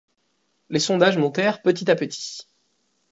Les sondages montèrent petit à petit.